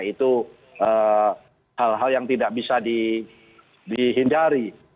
itu hal hal yang tidak bisa dihindari